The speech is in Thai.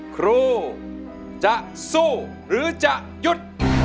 ครูจะสู้หรือจะหยุด